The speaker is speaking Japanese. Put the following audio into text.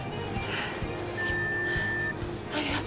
ありがとう。